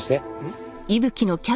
ん？